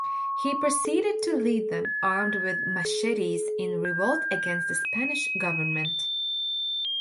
He proceeded to lead them, armed with machetes, in revolt against the Spanish government.